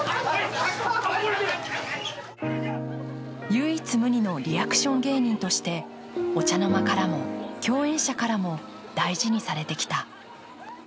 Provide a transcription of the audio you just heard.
唯一無二のリアクション芸人として、お茶の間からも共演者からも大事にされてきた。